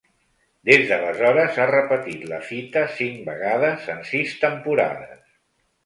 Des d’aleshores, ha repetit la fita cinc vegades en sis temporades.